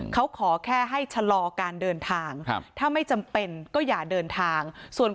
เขาขอแค่ให้ชะลอการเดินทาง